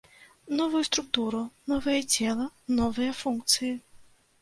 Новую структуру, новае цела, новыя функцыі.